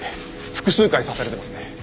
複数回刺されてますね。